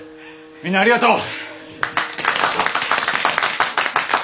みんなありがとう！